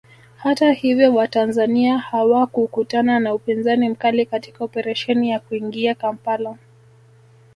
Hata hivyo watanzania hawakukutana na upinzani mkali katika operesheni ya kuingia Kampala